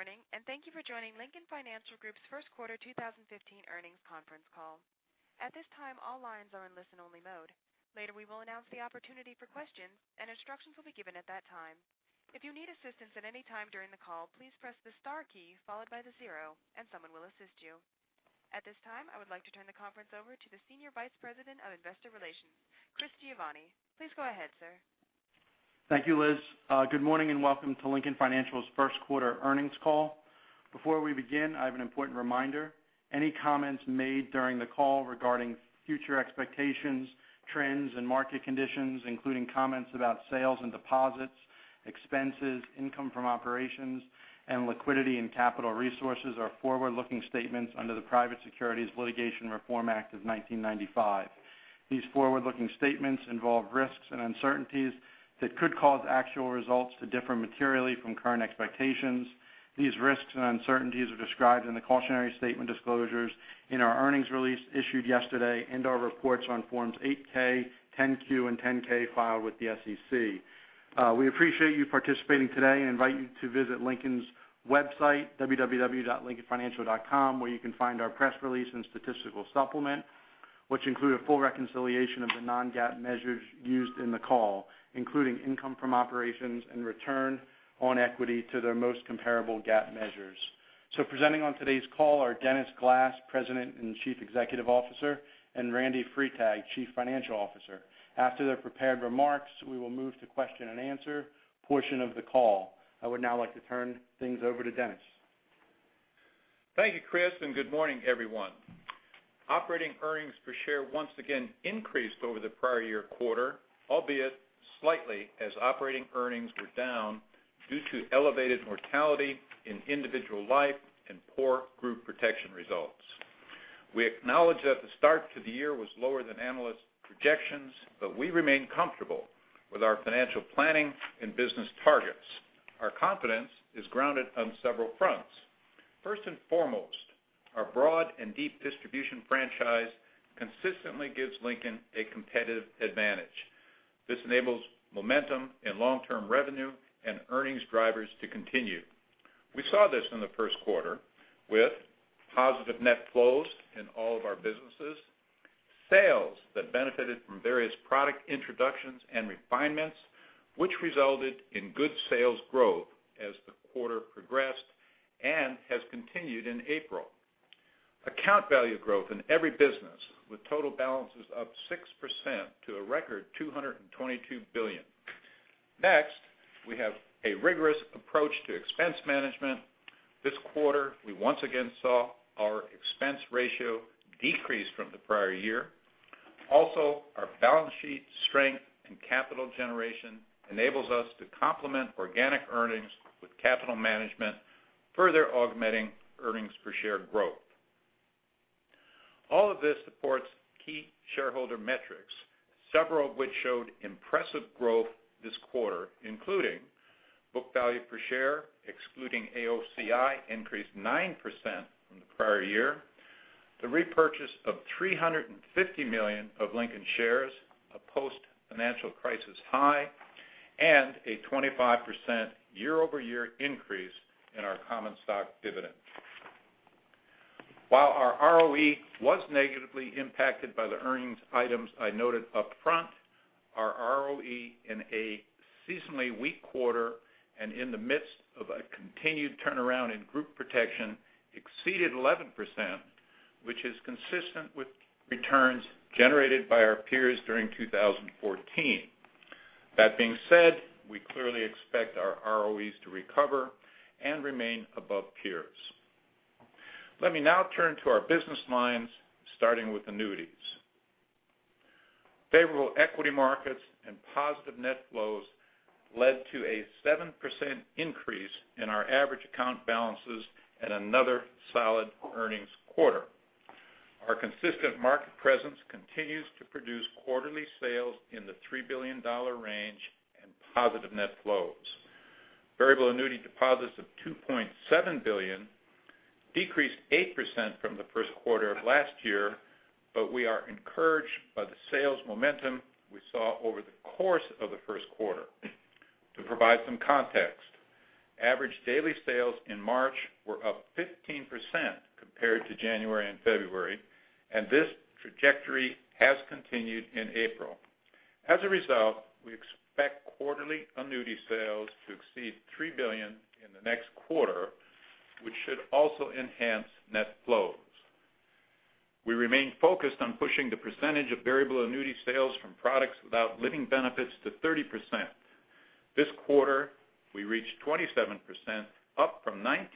Good morning, and thank you for joining Lincoln Financial Group's first quarter 2015 earnings conference call. At this time, all lines are in listen-only mode. Later, we will announce the opportunity for questions, instructions will be given at that time. If you need assistance at any time during the call, please press the star key followed by the zero and someone will assist you. At this time, I would like to turn the conference over to the Senior Vice President of Investor Relations, Chris Giovanni. Please go ahead, sir. Thank you, Liz. Good morning and welcome to Lincoln Financial's first quarter earnings call. Before we begin, I have an important reminder. Any comments made during the call regarding future expectations, trends, and market conditions, including comments about sales and deposits, expenses, income from operations, and liquidity and capital resources are forward-looking statements under the Private Securities Litigation Reform Act of 1995. These forward-looking statements involve risks and uncertainties that could cause actual results to differ materially from current expectations. These risks and uncertainties are described in the cautionary statement disclosures in our earnings release issued yesterday and/or reports on forms 8-K, 10-Q, and 10-K filed with the SEC. We appreciate you participating today and invite you to visit Lincoln's website, www.lincolnfinancial.com, where you can find our press release and statistical supplement, which include a full reconciliation of the non-GAAP measures used in the call, including income from operations and return on equity to their most comparable GAAP measures. Presenting on today's call are Dennis Glass, President and Chief Executive Officer, and Randal Freitag, Chief Financial Officer. After their prepared remarks, we will move to question and answer portion of the call. I would now like to turn things over to Dennis. Thank you, Chris, good morning, everyone. Operating earnings per share once again increased over the prior year quarter, albeit slightly, as operating earnings were down due to elevated mortality in individual life and poor group protection results. We acknowledge that the start to the year was lower than analyst projections, we remain comfortable with our financial planning and business targets. Our confidence is grounded on several fronts. First and foremost, our broad and deep distribution franchise consistently gives Lincoln a competitive advantage. This enables momentum in long-term revenue and earnings drivers to continue. We saw this in the first quarter with positive net flows in all of our businesses, sales that benefited from various product introductions and refinements, which resulted in good sales growth as the quarter progressed and has continued in April. Account value growth in every business with total balances up 6% to a record $222 billion. Next, we have a rigorous approach to expense management. This quarter, we once again saw our expense ratio decrease from the prior year. Also, our balance sheet strength and capital generation enables us to complement organic earnings with capital management, further augmenting earnings per share growth. All of this supports key shareholder metrics, several of which showed impressive growth this quarter, including book value per share, excluding AOCI increased 9% from the prior year, the repurchase of $350 million of Lincoln shares, a post-financial crisis high, and a 25% year-over-year increase in our common stock dividend. While our ROE was negatively impacted by the earnings items I noted upfront, our ROE in a seasonally weak quarter and in the midst of a continued turnaround in group protection exceeded 11%, which is consistent with returns generated by our peers during 2014. That being said, we clearly expect our ROEs to recover and remain above peers. Let me now turn to our business lines, starting with annuities. Favorable equity markets and positive net flows led to a 7% increase in our average account balances and another solid earnings quarter. Our consistent market presence continues to produce quarterly sales in the $3 billion range and positive net flows. Variable annuity deposits of $2.7 billion decreased 8% from the first quarter of last year, but we are encouraged by the sales momentum we saw over the course of the first quarter. To provide some context, average daily sales in March were up 15% compared to January and February, and this trajectory has continued in April. As a result, we expect quarterly annuity sales to exceed $3 billion in the next quarter, which should also enhance net flows. We remain focused on pushing the percentage of variable annuity sales from products without living benefits to 30%. This quarter, we reached 27%, up from 19%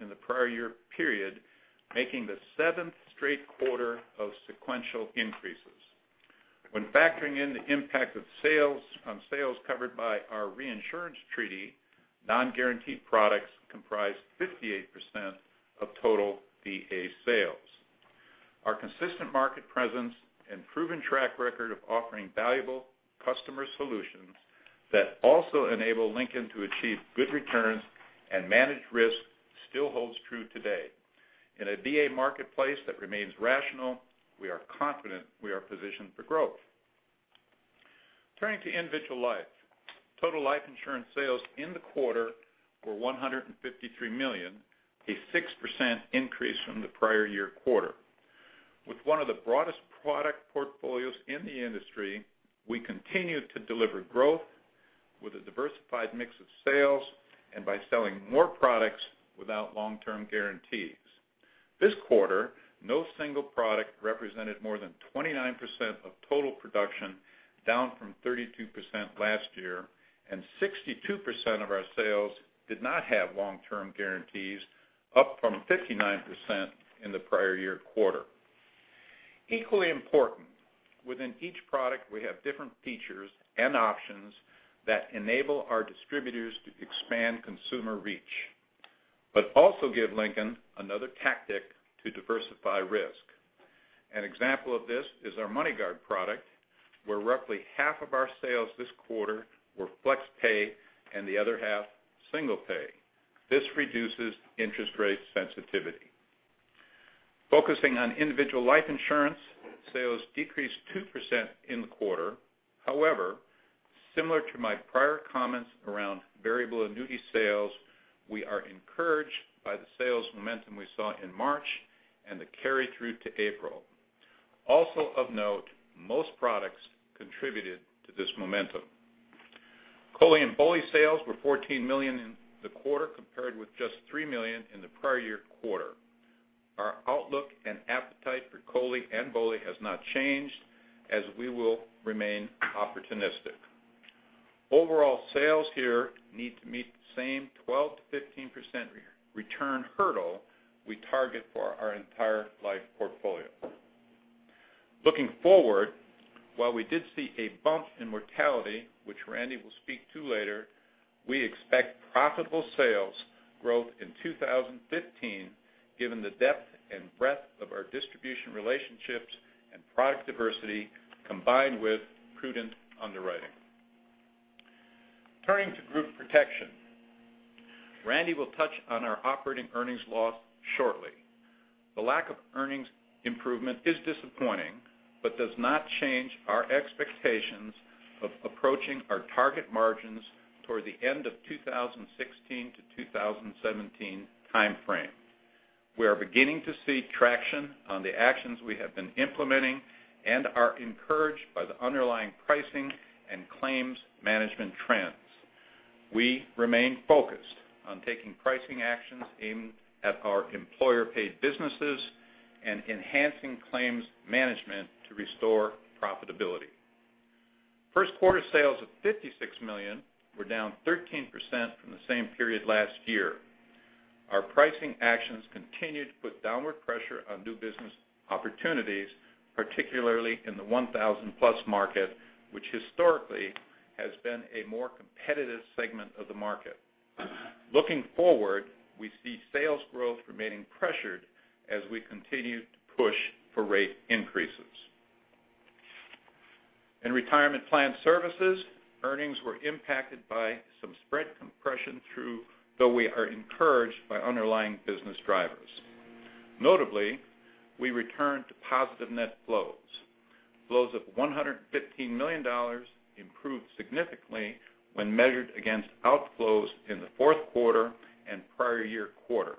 in the prior year period, making the seventh straight quarter of sequential increases. When factoring in the impact of sales on sales covered by our reinsurance treaty, non-guaranteed products comprised 58% of total VA sales. Our consistent market presence and proven track record of offering valuable customer solutions that also enable Lincoln to achieve good returns and manage risk still holds true today. In a VA marketplace that remains rational, we are confident we are positioned for growth. Turning to individual life. Total life insurance sales in the quarter were $153 million, a 6% increase from the prior year quarter. With one of the broadest product portfolios in the industry, we continue to deliver growth with a diversified mix of sales and by selling more products without long-term guarantees. This quarter, no single product represented more than 29% of total production, down from 32% last year, and 62% of our sales did not have long-term guarantees, up from 59% in the prior year quarter. Equally important, within each product, we have different features and options that enable our distributors to expand consumer reach, but also give Lincoln another tactic to diversify risk. An example of this is our MoneyGuard product, where roughly half of our sales this quarter were flex pay and the other half single pay. This reduces interest rate sensitivity. Focusing on individual life insurance, sales decreased 2% in the quarter. However, similar to my prior comments around variable annuity sales, we are encouraged by the sales momentum we saw in March and the carry-through to April. Also of note, most products contributed to this momentum. COLI and BOLI sales were $14 million in the quarter, compared with just $3 million in the prior year quarter. Our outlook and appetite for COLI and BOLI has not changed, as we will remain opportunistic. Overall sales here need to meet the same 12%-15% return hurdle we target for our entire life portfolio. Looking forward, while we did see a bump in mortality, which Randy will speak to later, we expect profitable sales growth in 2015 given the depth and breadth of our distribution relationships and product diversity, combined with prudent underwriting. Turning to group protection. Randy will touch on our operating earnings loss shortly. The lack of earnings improvement is disappointing but does not change our expectations of approaching our target margins toward the end of 2016 to 2017 timeframe. We are beginning to see traction on the actions we have been implementing and are encouraged by the underlying pricing and claims management trends. We remain focused on taking pricing actions aimed at our employer-paid businesses and enhancing claims management to restore profitability. First quarter sales of $56 million were down 13% from the same period last year. Our pricing actions continued to put downward pressure on new business opportunities, particularly in the 1,000-plus market, which historically has been a more competitive segment of the market. Looking forward, we see sales growth remaining pressured as we continue to push for rate increases. In retirement plan services, earnings were impacted by some spread compression, though we are encouraged by underlying business drivers. Notably, we returned to positive net flows. Flows of $115 million improved significantly when measured against outflows in the fourth quarter and prior year quarter.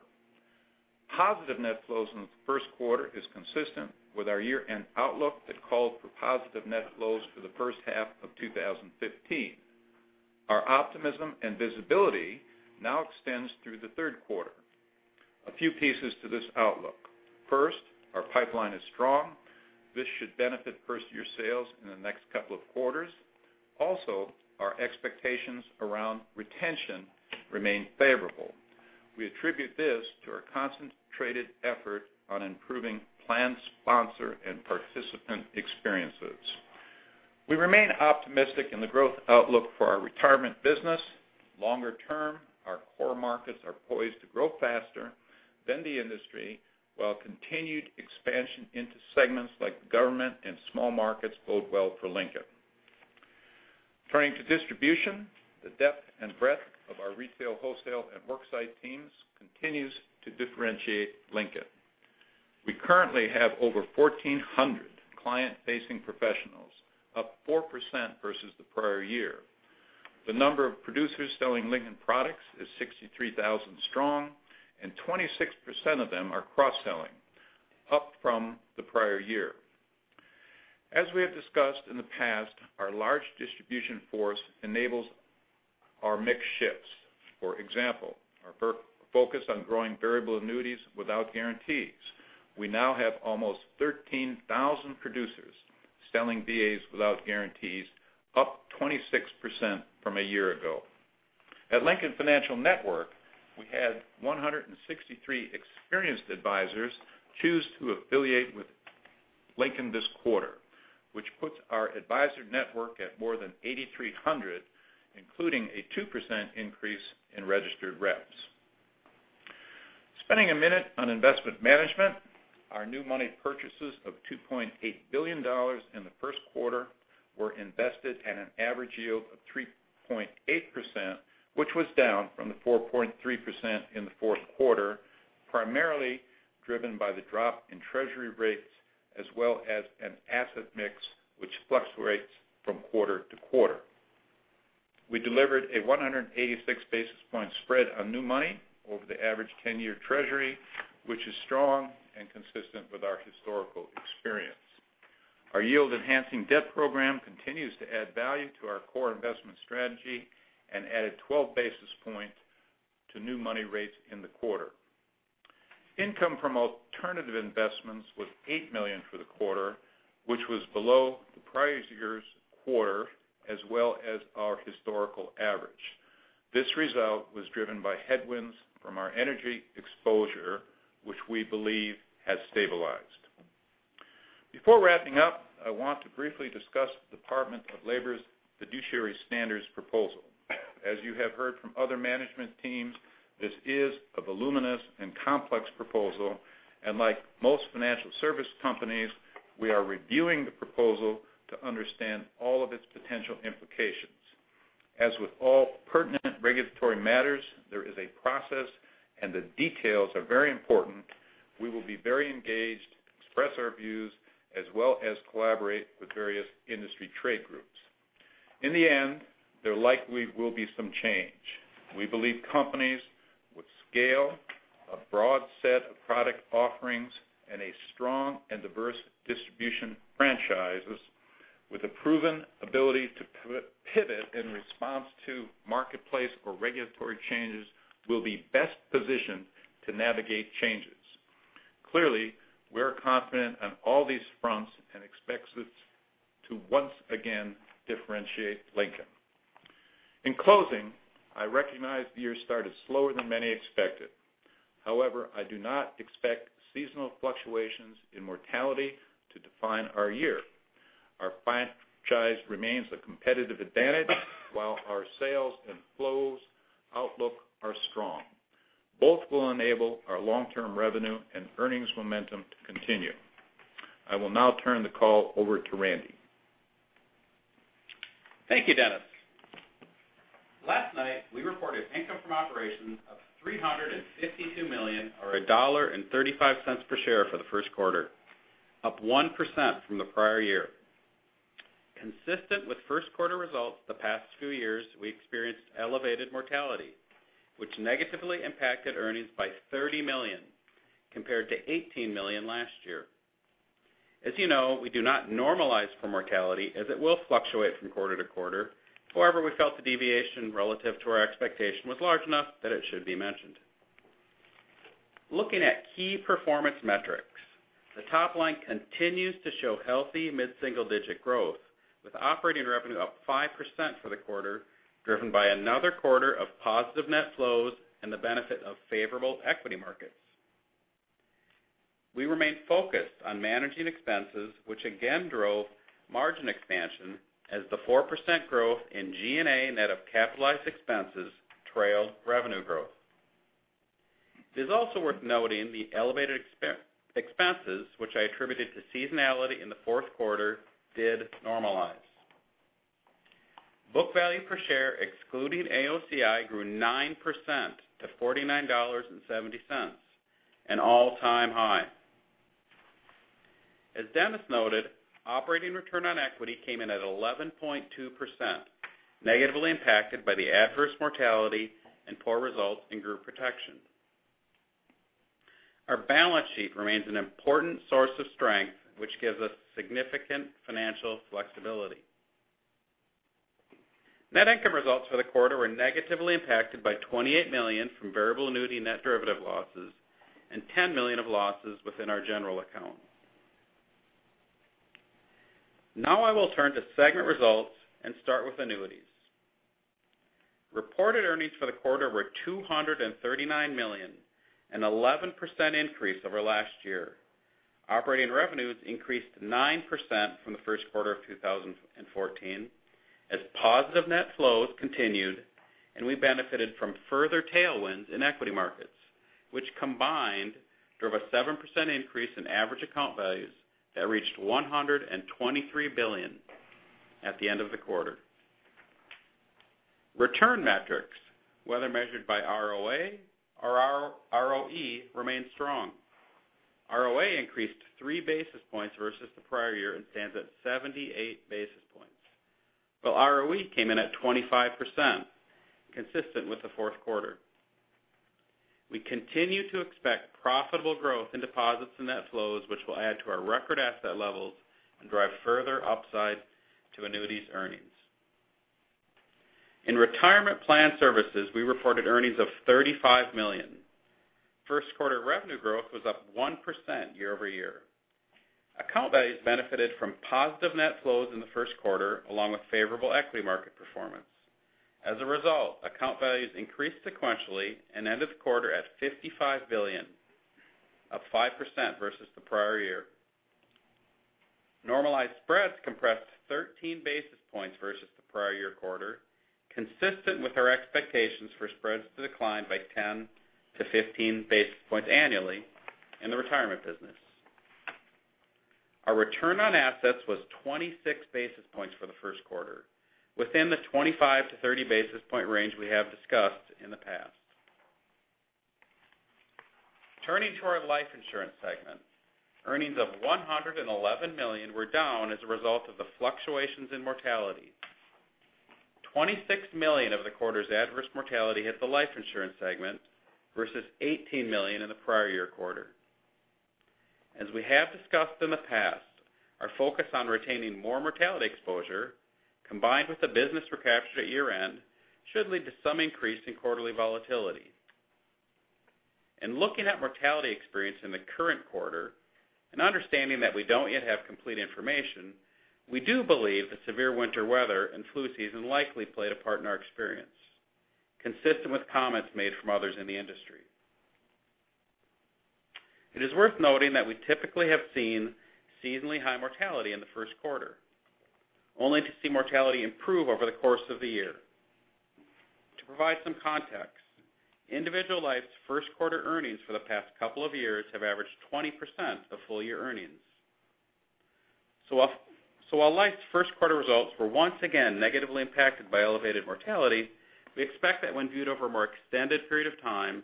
Positive net flows in the first quarter is consistent with our year-end outlook that called for positive net flows for the first half of 2015. Our optimism and visibility now extends through the third quarter. A few pieces to this outlook. First, our pipeline is strong. This should benefit first-year sales in the next couple of quarters. Also, our expectations around retention remain favorable. We attribute this to our concentrated effort on improving plan sponsor and participant experiences. We remain optimistic in the growth outlook for our retirement business. Longer term, our core markets are poised to grow faster than the industry, while continued expansion into segments like government and small markets bode well for Lincoln. Turning to distribution, the depth and breadth of our retail, wholesale, and worksite teams continues to differentiate Lincoln. We currently have over 1,400 client-facing professionals, up 4% versus the prior year. The number of producers selling Lincoln products is 63,000 strong, and 26% of them are cross-selling, up from the prior year. As we have discussed in the past, our large distribution force enables our mix shifts. For example, our focus on growing variable annuities without guarantees. We now have almost 13,000 producers selling VAs without guarantees, up 26% from a year ago. At Lincoln Financial Network, we had 163 experienced advisors choose to affiliate with Lincoln this quarter, which puts our advisor network at more than 8,300, including a 2% increase in registered reps. Spending a minute on investment management. Our new money purchases of $2.8 billion in the first quarter were invested at an average yield of 3.8%, which was down from the 4.3% in the fourth quarter. Primarily driven by the drop in treasury rates as well as an asset mix which fluctuates from quarter to quarter. We delivered a 186 basis point spread on new money over the average 10-year treasury, which is strong and consistent with our historical experience. Our yield enhancing debt program continues to add value to our core investment strategy and added 12 basis point to new money rates in the quarter. Income from alternative investments was $8 million for the quarter, which was below the prior year's quarter as well as our historical average. This result was driven by headwinds from our energy exposure, which we believe has stabilized. Before wrapping up, I want to briefly discuss the Department of Labor's fiduciary standards proposal. As you have heard from other management teams, this is a voluminous and complex proposal, and like most financial service companies, we are reviewing the proposal to understand all of its potential implications. As with all pertinent regulatory matters, there is a process, and the details are very important. We will be very engaged, express our views, as well as collaborate with various industry trade groups. In the end, there likely will be some change. We believe companies with scale, a broad set of product offerings, and a strong and diverse distribution franchises with a proven ability to pivot in response to marketplace or regulatory changes will be best positioned to navigate changes. Clearly, we're confident on all these fronts and expects this to once again differentiate Lincoln. In closing, I recognize the year started slower than many expected. However, I do not expect seasonal fluctuations in mortality to define our year. Our franchise remains a competitive advantage, while our sales and flows outlook are strong. Both will enable our long-term revenue and earnings momentum to continue. I will now turn the call over to Randy. Thank you, Dennis. Last night, we reported income from operations of $352 million or $1.35 per share for the first quarter, up 1% from the prior year. Consistent with first quarter results the past few years, we experienced elevated mortality, which negatively impacted earnings by $30 million compared to $18 million last year. As you know, we do not normalize for mortality as it will fluctuate from quarter to quarter. However, we felt the deviation relative to our expectation was large enough that it should be mentioned. Looking at key performance metrics, the top line continues to show healthy mid-single-digit growth, with operating revenue up 5% for the quarter, driven by another quarter of positive net flows and the benefit of favorable equity markets. We remain focused on managing expenses, which again drove margin expansion as the 4% growth in G&A net of capitalized expenses trailed revenue growth. It is also worth noting the elevated expenses, which I attributed to seasonality in the fourth quarter, did normalize. Book value per share, excluding AOCI, grew 9% to $49.70, an all-time high. As Dennis noted, operating return on equity came in at 11.2%, negatively impacted by the adverse mortality and poor results in group protection. Our balance sheet remains an important source of strength, which gives us significant financial flexibility. Net income results for the quarter were negatively impacted by $28 million from variable annuity net derivative losses and $10 million of losses within our general account. I will turn to segment results and start with annuities. Reported earnings for the quarter were $239 million, an 11% increase over last year. Operating revenues increased 9% from the first quarter of 2014 as positive net flows continued, and we benefited from further tailwinds in equity markets, which combined drove a 7% increase in average account values that reached $123 billion at the end of the quarter. Return metrics, whether measured by ROA or ROE, remain strong. ROA increased three basis points versus the prior year and stands at 78 basis points, while ROE came in at 25%, consistent with the fourth quarter. We continue to expect profitable growth in deposits and net flows, which will add to our record asset levels and drive further upside to annuities earnings. In retirement plan services, we reported earnings of $35 million. First quarter revenue growth was up 1% year-over-year. Account values benefited from positive net flows in the first quarter along with favorable equity market performance. As a result, account values increased sequentially and ended the quarter at $55 billion, up 5% versus the prior year. Normalized spreads compressed 13 basis points versus the prior year quarter, consistent with our expectations for spreads to decline by 10-15 basis points annually in the retirement business. Our return on assets was 26 basis points for the first quarter, within the 25-30 basis point range we have discussed in the past. Turning to our life insurance segment, earnings of $111 million were down as a result of the fluctuations in mortality. $26 million of the quarter's adverse mortality hit the life insurance segment versus $18 million in the prior year quarter. As we have discussed in the past, our focus on retaining more mortality exposure, combined with the business recaptured at year-end, should lead to some increase in quarterly volatility. In looking at mortality experience in the current quarter and understanding that we don't yet have complete information, we do believe the severe winter weather and flu season likely played a part in our experience, consistent with comments made from others in the industry. It is worth noting that we typically have seen seasonally high mortality in the first quarter, only to see mortality improve over the course of the year. To provide some context, Individual Life's first quarter earnings for the past couple of years have averaged 20% of full-year earnings. While Life's first quarter results were once again negatively impacted by elevated mortality, we expect that when viewed over a more extended period of time,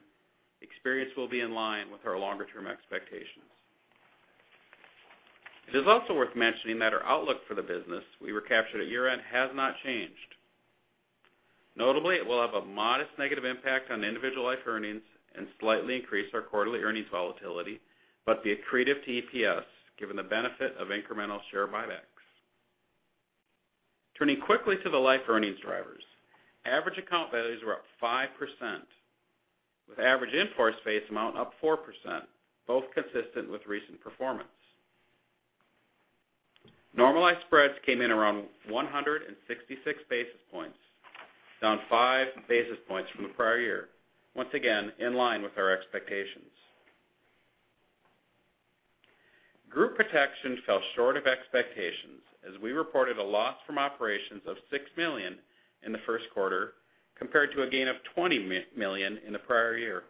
experience will be in line with our longer-term expectations. It is also worth mentioning that our outlook for the business we recaptured at year-end has not changed. Notably, it will have a modest negative impact on Individual Life earnings and slightly increase our quarterly earnings volatility, but be accretive to EPS, given the benefit of incremental share buybacks. Turning quickly to the life earnings drivers. Average account values were up 5%, with average in-force face amount up 4%, both consistent with recent performance. Normalized spreads came in around 166 basis points, down five basis points from the prior year, once again in line with our expectations. group protection fell short of expectations as we reported a loss from operations of $6 million in the first quarter, compared to a gain of $20 million in the prior year.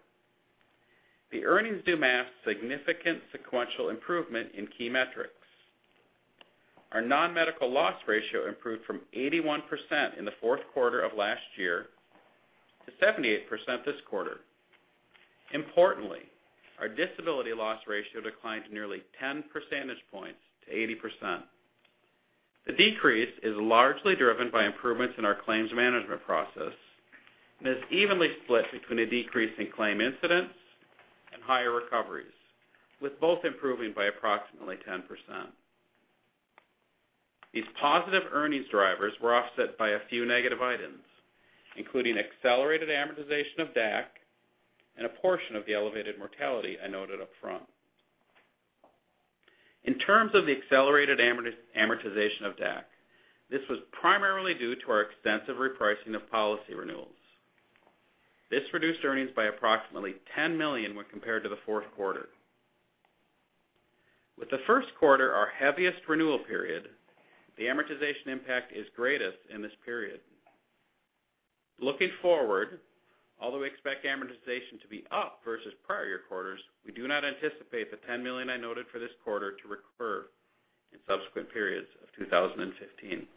The earnings do mask significant sequential improvement in key metrics. Our non-medical loss ratio improved from 81% in the fourth quarter of last year to 78% this quarter. Importantly, our disability loss ratio declined nearly 10 percentage points to 80%. The decrease is largely driven by improvements in our claims management process and is evenly split between a decrease in claim incidents and higher recoveries, with both improving by approximately 10%. These positive earnings drivers were offset by a few negative items, including accelerated amortization of DAC and a portion of the elevated mortality I noted upfront. In terms of the accelerated amortization of DAC, this was primarily due to our extensive repricing of policy renewals. This reduced earnings by approximately $10 million when compared to the fourth quarter. With the first quarter our heaviest renewal period, the amortization impact is greatest in this period. Looking forward, although we expect amortization to be up versus prior year quarters, we do not anticipate the $10 million I noted for this quarter to recur in subsequent periods of 2015.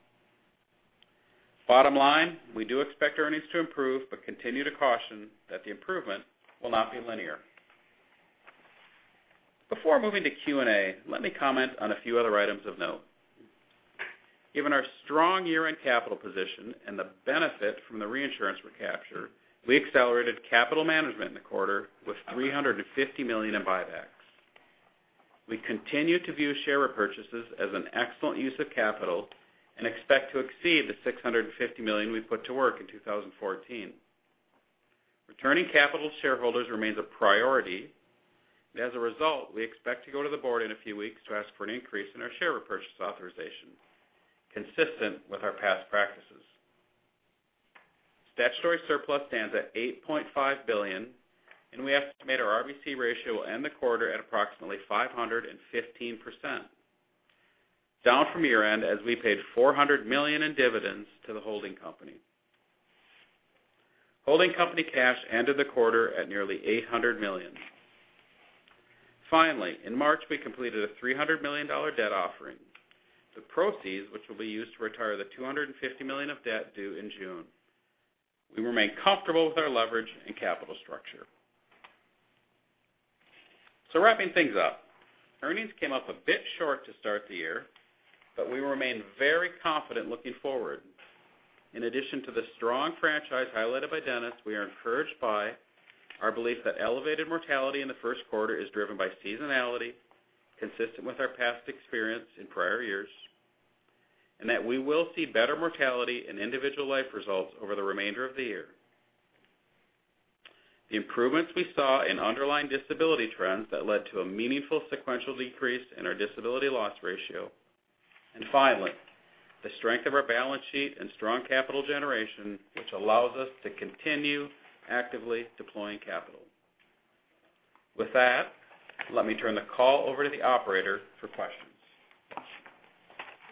Bottom line, we do expect earnings to improve, but continue to caution that the improvement will not be linear. Before moving to Q&A, let me comment on a few other items of note. Given our strong year-end capital position and the benefit from the reinsurance recapture, we accelerated capital management in the quarter with $350 million in buybacks. We continue to view share repurchases as an excellent use of capital and expect to exceed the $650 million we put to work in 2014. Returning capital to shareholders remains a priority. As a result, we expect to go to the board in a few weeks to ask for an increase in our share repurchase authorization, consistent with our past practices. Statutory surplus stands at $8.5 billion, and we estimate our RBC ratio will end the quarter at approximately 515%, down from year-end, as we paid $400 million in dividends to the holding company. Holding company cash ended the quarter at nearly $800 million. Finally, in March, we completed a $300 million debt offering, the proceeds which will be used to retire the $250 million of debt due in June. We remain comfortable with our leverage and capital structure. Wrapping things up, earnings came up a bit short to start the year, but we remain very confident looking forward. In addition to the strong franchise highlighted by Dennis, we are encouraged by our belief that elevated mortality in the first quarter is driven by seasonality, consistent with our past experience in prior years, and that we will see better mortality and Individual Life results over the remainder of the year. The improvements we saw in underlying disability trends that led to a meaningful sequential decrease in our disability loss ratio. Finally, the strength of our balance sheet and strong capital generation, which allows us to continue actively deploying capital. With that, let me turn the call over to the operator for questions.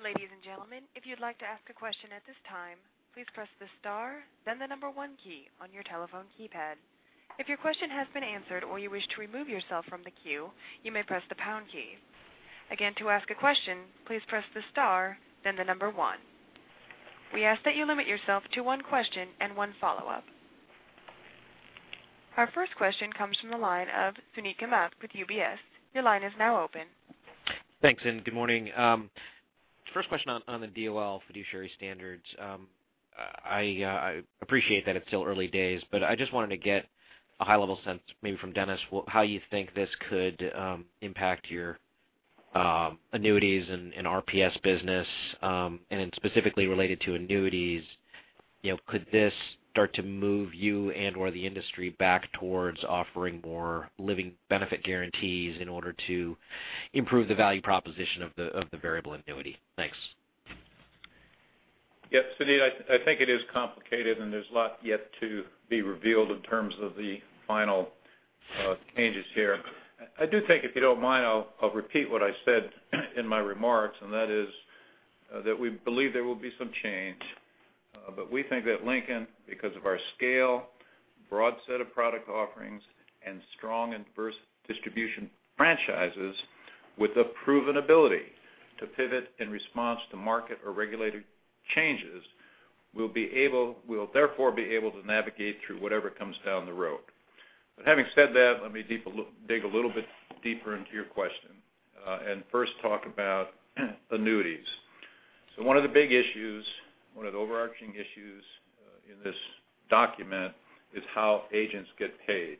Ladies and gentlemen, if you'd like to ask a question at this time, please press the star, then the number 1 key on your telephone keypad. If your question has been answered or you wish to remove yourself from the queue, you may press the pound key. Again, to ask a question, please press the star, then the number 1. We ask that you limit yourself to one question and one follow-up. Our first question comes from the line of Suneet Kamath with UBS. Your line is now open. Thanks. Good morning. First question on the DOL fiduciary standards. I appreciate that it's still early days, but I just wanted to get a high-level sense, maybe from Dennis, how you think this could impact your annuities and RPS business, and specifically related to annuities, could this start to move you and/or the industry back towards offering more living benefit guarantees in order to improve the value proposition of the variable annuity? Thanks. Yes. Suneet, I think it is complicated, and there's lot yet to be revealed in terms of the final changes here. I do think, if you don't mind, I'll repeat what I said in my remarks, and that is that we believe there will be some change. We think that Lincoln, because of our scale, broad set of product offerings, and strong and diverse distribution franchises with a proven ability to pivot in response to market or regulated changes, we'll therefore be able to navigate through whatever comes down the road. Having said that, let me dig a little bit deeper into your question. First talk about annuities. One of the big issues, one of the overarching issues in this document is how agents get paid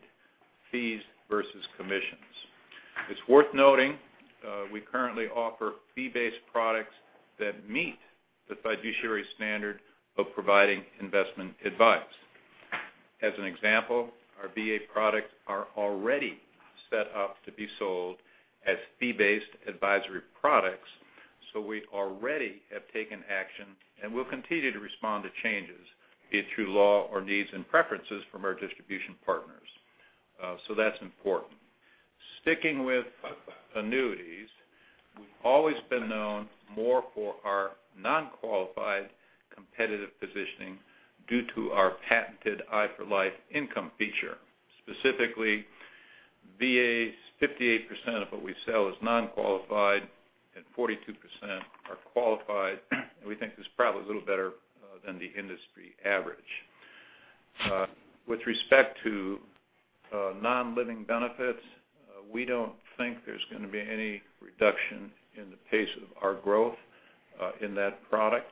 fees versus commissions. It's worth noting, we currently offer fee-based products that meet the fiduciary standard of providing investment advice. As an example, our VA products are already set up to be sold as fee-based advisory products. We already have taken action and will continue to respond to changes, be it through law or needs and preferences from our distribution partners. That's important. Sticking with annuities, we've always been known more for our non-qualified competitive positioning due to our patented i4LIFE income feature. Specifically, VA, 58% of what we sell is non-qualified and 42% are qualified. We think this is probably a little better than the industry average. With respect to non-living benefits, we don't think there's going to be any reduction in the pace of our growth in that product.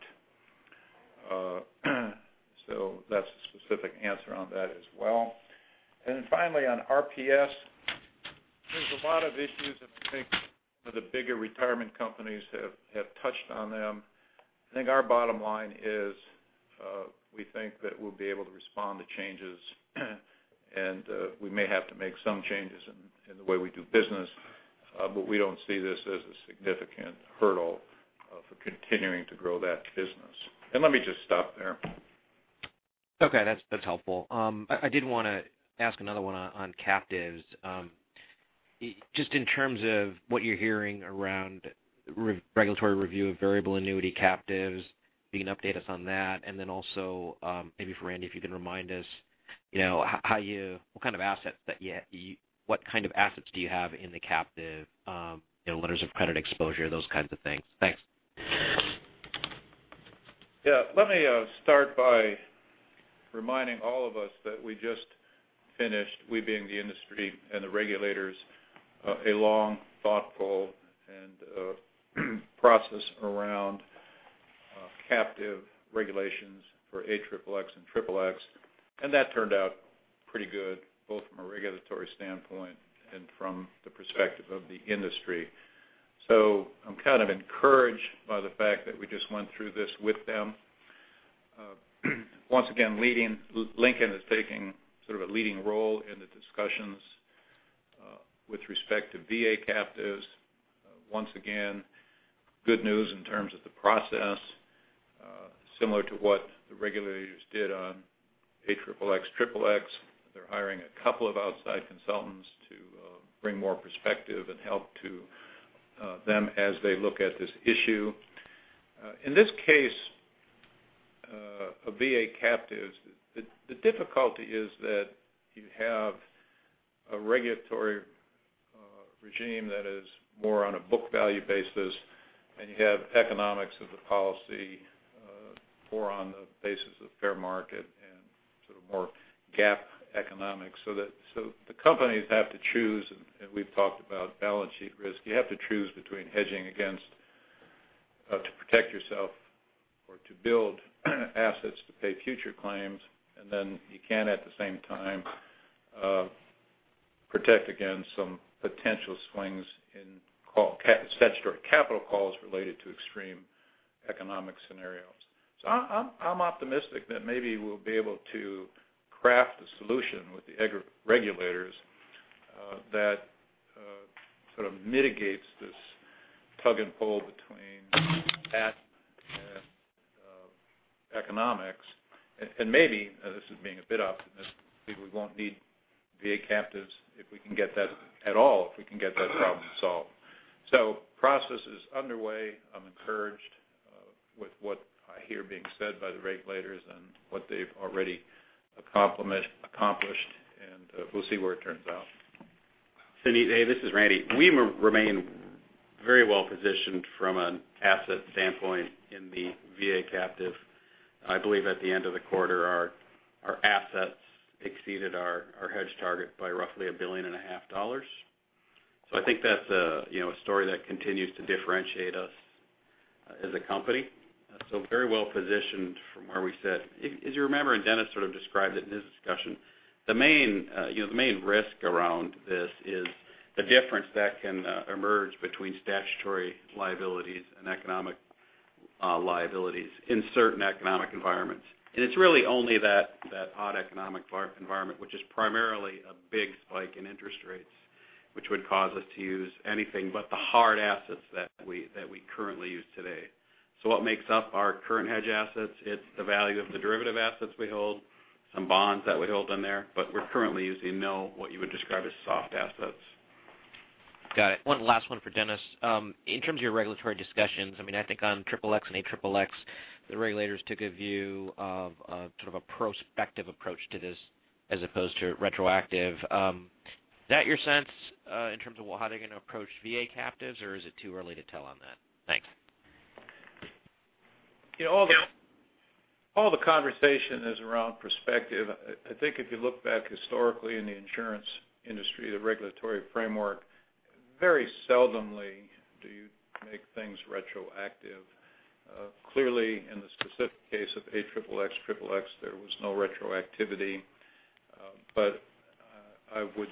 That's a specific answer on that as well. Finally, on RPS, there's a lot of issues that I think the bigger retirement companies have touched on them. I think our bottom line is we think that we'll be able to respond to changes and we may have to make some changes in the way we do business. We don't see this as a significant hurdle for continuing to grow that business. Let me just stop there. Okay. That's helpful. I did want to ask another one on captives. Just in terms of what you're hearing around regulatory review of variable annuity captives, if you can update us on that, and then also, maybe for Randy, if you can remind us what kind of assets do you have in the captive, letters of credit exposure, those kinds of things. Thanks. Yeah. Let me start by reminding all of us that we just finished, we being the industry and the regulators, a long, thoughtful process around captive regulations for AXXX and Triple-X. That turned out pretty good, both from a regulatory standpoint and from the perspective of the industry. I'm kind of encouraged by the fact that we just went through this with them. Once again, Lincoln is taking sort of a leading role in the discussions with respect to VA captives. Once again, good news in terms of the process. Similar to what the regulators did on Triple-X, they're hiring a couple of outside consultants to bring more perspective and help to them as they look at this issue. In this case, a VA captive, the difficulty is that you have a regulatory regime that is more on a book value basis, and you have economics of the policy more on the basis of fair market and sort of more GAAP economics. The companies have to choose, and we've talked about balance sheet risk. You have to choose between hedging to protect yourself or to build assets to pay future claims. You can, at the same time, protect against some potential swings in statutory capital calls related to extreme economic scenarios. I'm optimistic that maybe we'll be able to craft a solution with the regulators that sort of mitigates this tug and pull between asset economics, and maybe, this is being a bit optimistic, maybe we won't need VA captives if we can get that at all, if we can get that problem solved. Process is underway. I'm encouraged with what I hear being said by the regulators and what they've already accomplished, and we'll see where it turns out. Suneet, hey. This is Randy. We remain very well-positioned from an asset standpoint in the VA captive. I believe at the end of the quarter, our assets exceeded our hedge target by roughly $1.5 billion. I think that's a story that continues to differentiate us as a company, very well-positioned from where we sit. As you remember, and Dennis sort of described it in his discussion, the main risk around this is the difference that can emerge between statutory liabilities and economic liabilities in certain economic environments. It's really only that odd economic environment, which is primarily a big spike in interest rates, which would cause us to use anything but the hard assets that we currently use today. What makes up our current hedge assets? It's the value of the derivative assets we hold, some bonds that we hold in there, but we're currently using no what you would describe as soft assets. Got it. One last one for Dennis. In terms of your regulatory discussions, I think on Triple-X and A-Triple-X, the regulators took a view of sort of a prospective approach to this as opposed to retroactive. Is that your sense, in terms of how they're going to approach VA captives, or is it too early to tell on that? Thanks. All the conversation is around perspective. I think if you look back historically in the insurance industry, the regulatory framework, very seldomly do you make things retroactive. Clearly, in the specific case of A-Triple-X, Triple-X, there was no retroactivity. I would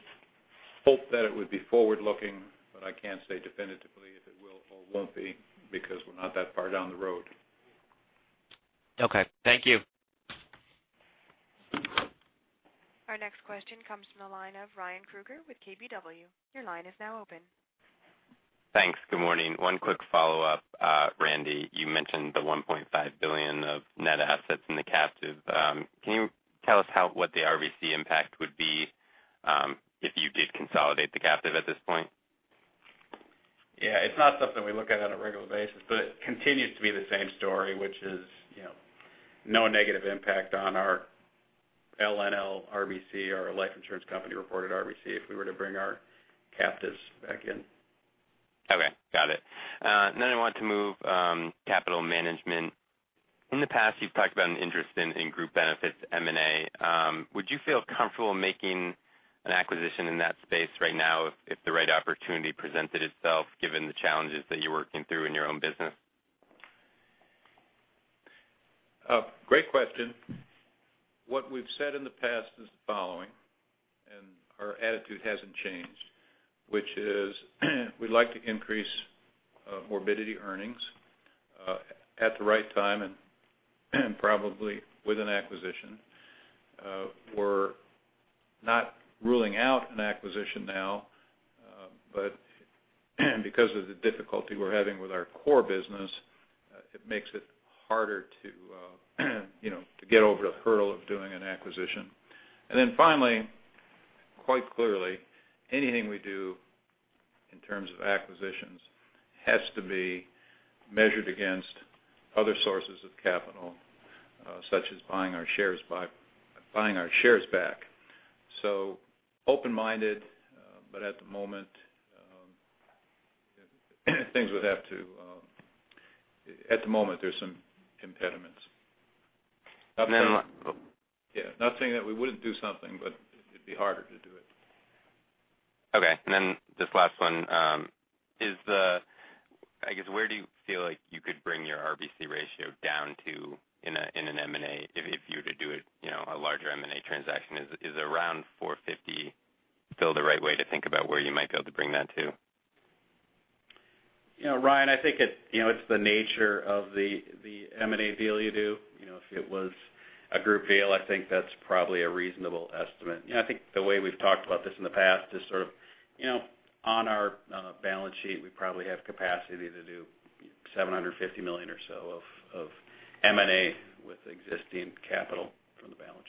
hope that it would be forward-looking, but I can't say definitively if it will or won't be, because we're not that far down the road. Okay. Thank you. Our next question comes from the line of Ryan Krueger with KBW. Your line is now open. Thanks. Good morning. One quick follow-up. Randy, you mentioned the $1.5 billion of net assets in the captive. Can you tell us what the RBC impact would be if you did consolidate the captive at this point? Yeah. It's not something we look at on a regular basis, but it continues to be the same story, which is no negative impact on our LNL RBC or our life insurance company-reported RBC if we were to bring our captives back in. Okay. Got it. I wanted to move capital management. In the past, you've talked about an interest in group benefits M&A. Would you feel comfortable making an acquisition in that space right now if the right opportunity presented itself, given the challenges that you're working through in your own business? Great question. What we've said in the past is the following, our attitude hasn't changed, which is we'd like to increase morbidity earnings at the right time and probably with an acquisition. We're not ruling out an acquisition now. Because of the difficulty we're having with our core business, it makes it harder to get over the hurdle of doing an acquisition. Finally, quite clearly, anything we do in terms of acquisitions has to be measured against other sources of capital, such as buying our shares back. Open-minded, but at the moment there's some impediments. And then- Yeah. Not saying that we wouldn't do something, but it'd be harder to do it. Okay. This last one. I guess where do you feel like you could bring your RBC ratio down to in an M&A if you were to do a larger M&A transaction? Is around 450 still the right way to think about where you might be able to bring that to? Ryan, I think it's the nature of the M&A deal you do. If it was a group deal, I think that's probably a reasonable estimate. I think the way we've talked about this in the past is sort of on our balance sheet, we probably have capacity to do $750 million or so of M&A with existing capital from the balance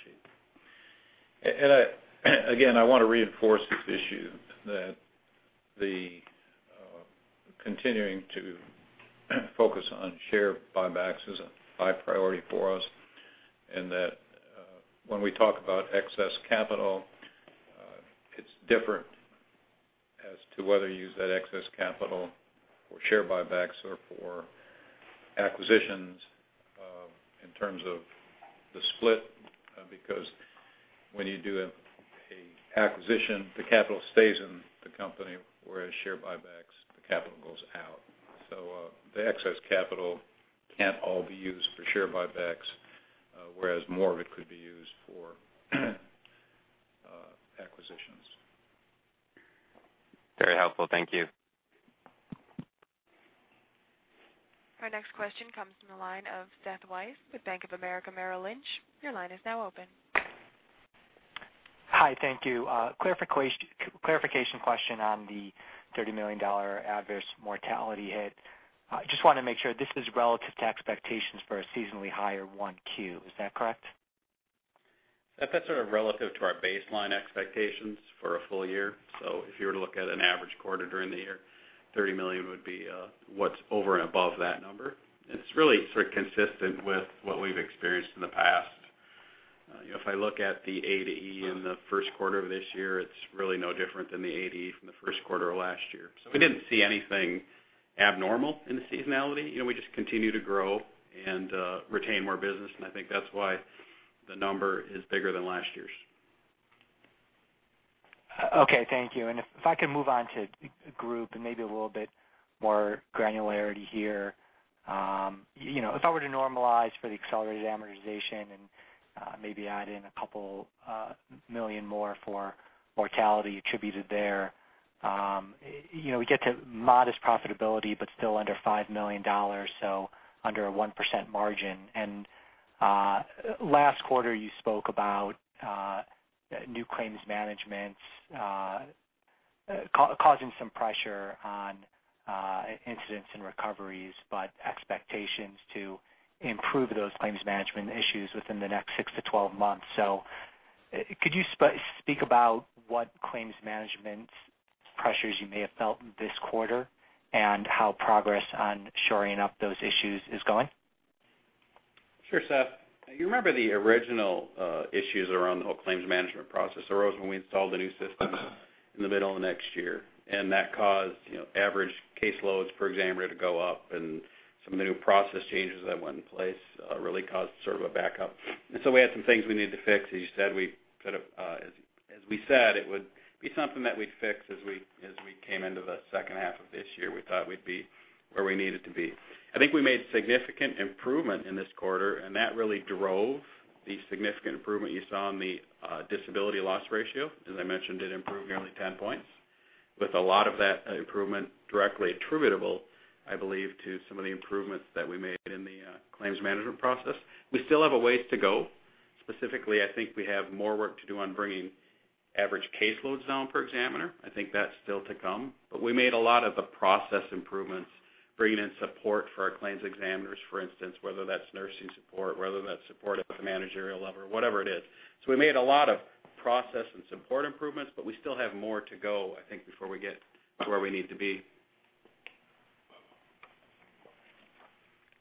sheet. Again, I want to reinforce this issue that the continuing to focus on share buybacks is a high priority for us, and that when we talk about excess capital, it's different as to whether you use that excess capital for share buybacks or for acquisitions in terms of the split. When you do an acquisition, the capital stays in the company, whereas share buybacks, the capital goes out. The excess capital can't all be used for share buybacks, whereas more of it could be used for acquisitions. Very helpful. Thank you. Our next question comes from the line of Seth Weiss with Bank of America Merrill Lynch. Your line is now open. Hi, thank you. Clarification question on the $30 million adverse mortality hit. Just want to make sure this is relative to expectations for a seasonally higher one Q. Is that correct? That's sort of relative to our baseline expectations for a full year. If you were to look at an average quarter during the year, $30 million would be what's over and above that number. It's really sort of consistent with what we've experienced in the past. If I look at the A to E in the first quarter of this year, it's really no different than the A to E from the first quarter of last year. We didn't see anything abnormal in the seasonality. We just continue to grow and retain more business, I think that's why the number is bigger than last year's. Okay, thank you. If I could move on to group, and maybe a little bit more granularity here. If I were to normalize for the accelerated amortization and maybe add in a couple million more for mortality attributed there, we get to modest profitability, but still under $5 million, so under a 1% margin. Last quarter, you spoke about new claims management causing some pressure on incidents and recoveries, but expectations to improve those claims management issues within the next six to 12 months. Could you speak about what claims management pressures you may have felt this quarter, and how progress on shoring up those issues is going? Sure, Seth. You remember the original issues around the whole claims management process arose when we installed a new system in the middle of next year, that caused average case loads per examiner to go up, some of the new process changes that went in place really caused sort of a backup. We had some things we needed to fix. As we said, it would be something that we'd fix as we came into the second half of this year. We thought we'd be where we needed to be. I think we made significant improvement in this quarter, that really drove the significant improvement you saw in the disability loss ratio. As I mentioned, it improved nearly 10 points with a lot of that improvement directly attributable, I believe, to some of the improvements that we made in the claims management process. We still have a ways to go. Specifically, I think we have more work to do on bringing average caseloads down per examiner. I think that's still to come. We made a lot of the process improvements, bringing in support for our claims examiners, for instance, whether that's nursing support, whether that's support at the managerial level, whatever it is. We made a lot of process and support improvements, we still have more to go, I think, before we get to where we need to be.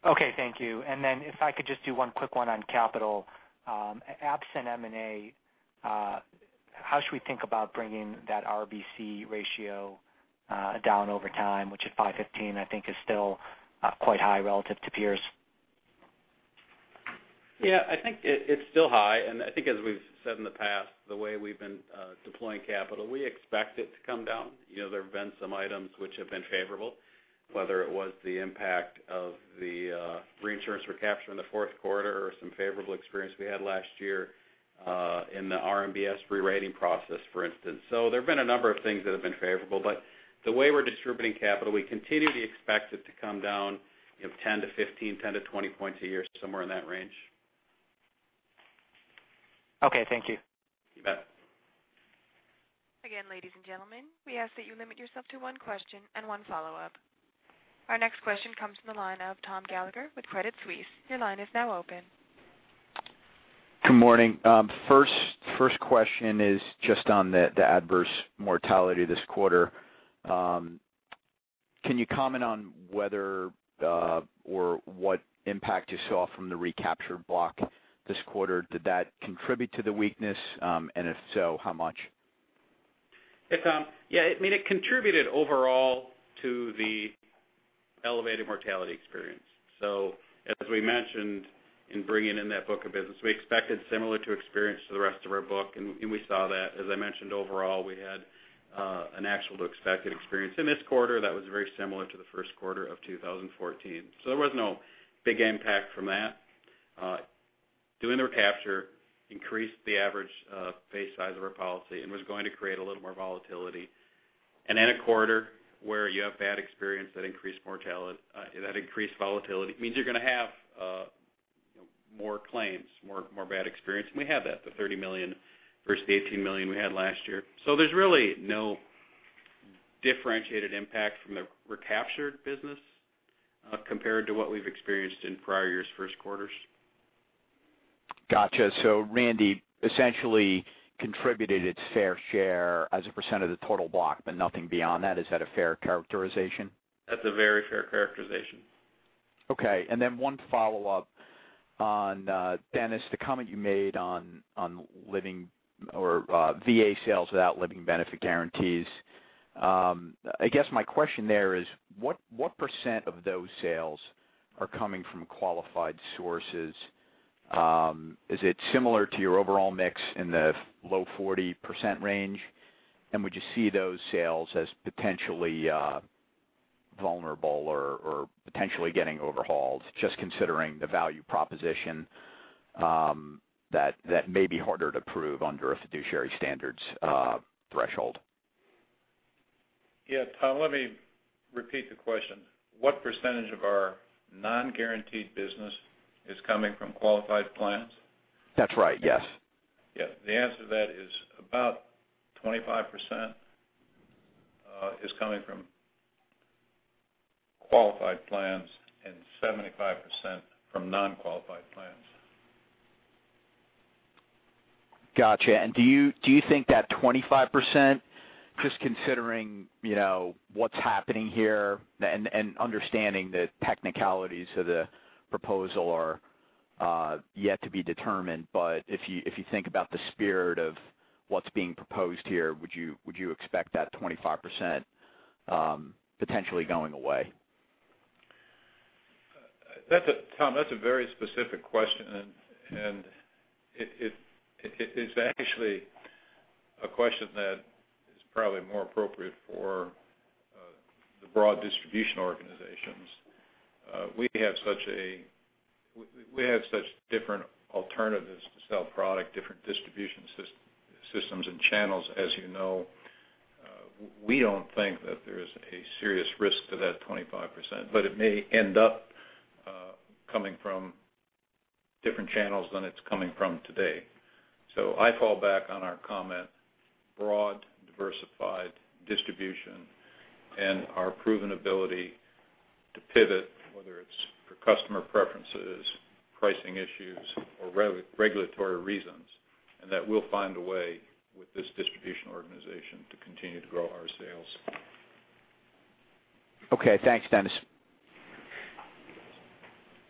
Okay, thank you. If I could just do one quick one on capital. Absent M&A, how should we think about bringing that RBC ratio down over time, which at 515, I think is still quite high relative to peers? Yeah, I think it's still high. I think as we've said in the past, the way we've been deploying capital, we expect it to come down. There have been some items which have been favorable, whether it was the impact of the reinsurance recapture in the fourth quarter or some favorable experience we had last year, in the RMBS rerating process, for instance. There have been a number of things that have been favorable, but the way we're distributing capital, we continue to expect it to come down 10-15, 10-20 points a year, somewhere in that range. Okay, thank you. You bet. Ladies and gentlemen, we ask that you limit yourself to one question and one follow-up. Our next question comes from the line of Thomas Gallagher with Credit Suisse. Your line is now open. Good morning. First question is just on the adverse mortality this quarter. Can you comment on whether or what impact you saw from the recapture block this quarter? Did that contribute to the weakness? If so, how much? Hey, Tom. Yeah, it contributed overall to the elevated mortality experience. As we mentioned in bringing in that book of business, we expected similar to experience to the rest of our book, and we saw that. As I mentioned, overall, we had an actual to expected experience in this quarter that was very similar to the first quarter of 2014. There was no big impact from that. Doing the recapture increased the average face size of our policy and was going to create a little more volatility. In a quarter where you have bad experience that increased volatility, means you're going to have more claims, more bad experience, and we have that, the $30 million versus the $18 million we had last year. There's really no differentiated impact from the recaptured business compared to what we've experienced in prior years' first quarters. Got you. Randy essentially contributed its fair share as a % of the total block, but nothing beyond that. Is that a fair characterization? That's a very fair characterization. Okay. One follow-up on, Dennis, the comment you made on living or VA sales without living benefit guarantees. I guess my question there is what % of those sales are coming from qualified sources? Is it similar to your overall mix in the low 40% range, and would you see those sales as potentially vulnerable or potentially getting overhauled, just considering the value proposition that may be harder to prove under a fiduciary standards threshold? Yeah, Tom, let me repeat the question. What % of our non-guaranteed business is coming from qualified plans? That's right, yes. Yeah. The answer to that is about 25% is coming from qualified plans and 75% from non-qualified plans. Got you. Do you think that 25%, just considering what's happening here and understanding the technicalities of the proposal are yet to be determined, but if you think about the spirit of what's being proposed here, would you expect that 25% potentially going away? Tom, that's a very specific question, and it is actually a question that is probably more appropriate for the broad distribution organizations. We have such different alternatives to sell product, different distribution systems and channels, as you know. We don't think that there's a serious risk to that 25%, but it may end up coming from different channels than it's coming from today. I fall back on our comment, broad, diversified distribution and our proven ability to pivot, whether it's for customer preferences, pricing issues, or regulatory reasons, and that we'll find a way with this distribution organization to continue to grow our sales. Okay, thanks, Dennis.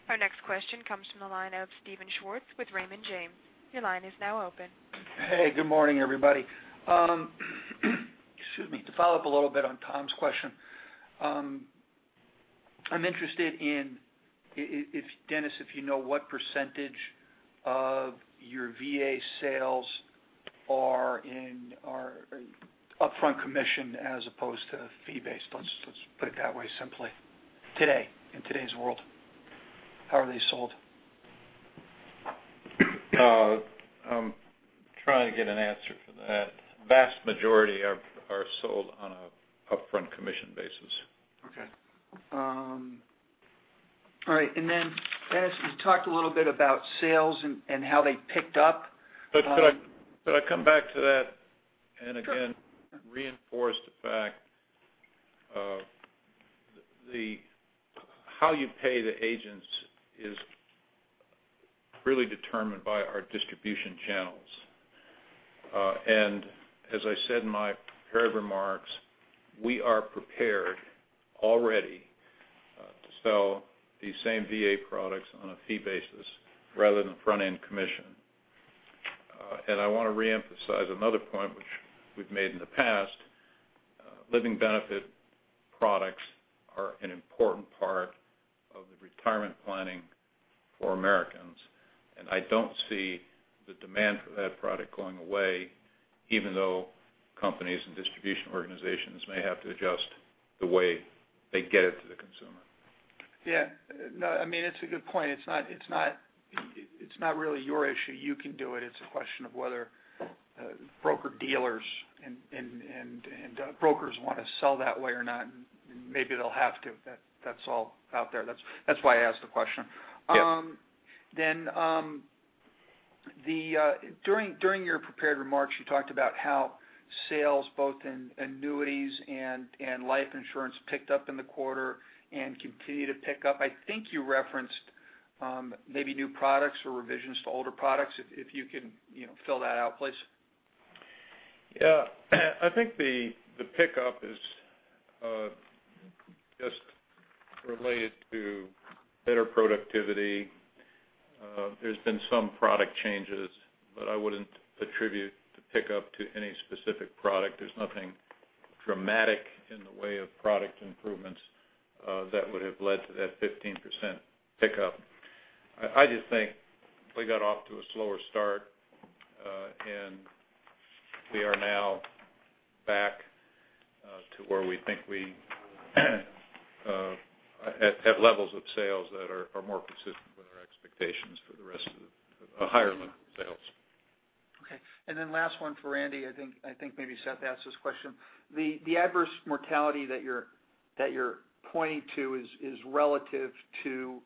Our next question comes from the line of Steven Schwartz with Raymond James. Your line is now open. Hey, good morning, everybody. Excuse me. To follow up a little bit on Tom's question, I'm interested in, Dennis, if you know what percentage of your VA sales are upfront commission as opposed to fee-based. Let's put it that way simply. Today, in today's world, how are they sold? I'm trying to get an answer for that. Vast majority are sold on an upfront commission basis. Okay. All right. Dennis, you talked a little bit about sales and how they picked up Could I come back to that? Sure reinforce the fact of how you pay the agents is really determined by our distribution channels. As I said in my prepared remarks, we are prepared already to sell these same VA products on a fee basis rather than front-end commission. I want to reemphasize another point which we've made in the past. Living benefit products are an important part of the retirement planning for Americans, and I don't see the demand for that product going away, even though companies and distribution organizations may have to adjust the way they get it to the consumer. Yeah. No, it's a good point. It's not really your issue. You can do it. It's a question of whether broker-dealers and brokers want to sell that way or not, and maybe they'll have to. That's all out there. That's why I asked the question. Yeah. During your prepared remarks, you talked about how sales, both in annuities and life insurance, picked up in the quarter and continue to pick up. I think you referenced maybe new products or revisions to older products. If you can fill that out, please. Yeah. I think the pickup is just related to better productivity. There's been some product changes. I wouldn't attribute the pickup to any specific product. There's nothing dramatic in the way of product improvements that would have led to that 15% pickup. I just think we got off to a slower start. We are now back to where we think we have levels of sales that are more consistent with our expectations. A higher level of sales. Okay. Last one for Randy. I think maybe Seth asked this question. The adverse mortality that you're pointing to is relative to